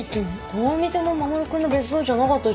どう見ても守君の別荘じゃなかったじゃん。